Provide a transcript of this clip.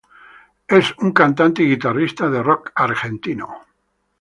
Es un cantante y guitarrista de rock argentino.